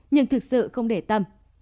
nhưng thực sự không để tâm